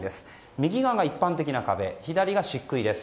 右側が一般的な壁左が漆喰です。